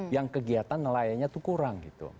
yang kegiatan nelayanya itu kurang